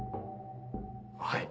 はい。